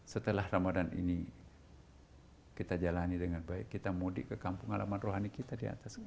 setelah ramadhan ini kita jalani dengan baik kita mudik ke kampung halaman rohani kita di atas kita